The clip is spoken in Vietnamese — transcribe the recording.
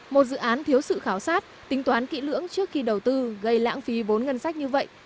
một dự án thiếu sự khảo sát tính toán kỹ lưỡng trước khi đầu tư gây lãng phí vốn ngân sách như vậy